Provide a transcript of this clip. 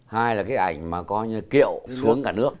hai là cái ảnh mà có kiệu xuống cả nước